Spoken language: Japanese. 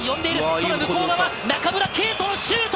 その向こうが中村敬斗のシュート！